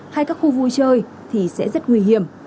hay các khu vui chơi thì sẽ rất nguy hiểm